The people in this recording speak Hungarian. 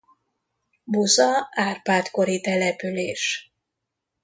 Buza Árpád-kori település.